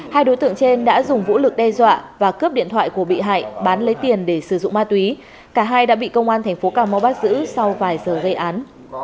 hai đối tượng trên đã dùng vũ lực đe dọa và cướp điện thoại của bị hại bán lấy tiền để sử dụng ma túy cả hai đã bị công an thành phố cà mau bắt giữ sau vài giờ gây án